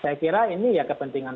saya kira ini ya kepentingan